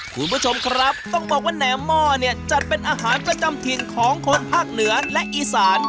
คุณผู้ชมครับต้องบอกว่าแหนมหม้อเนี่ยจัดเป็นอาหารประจำถิ่นของคนภาคเหนือและอีสาน